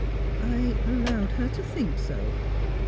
"^' I — allowed her to think so.